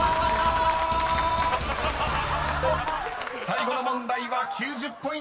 ［最後の問題は９０ポイント］